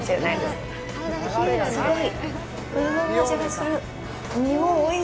すごい。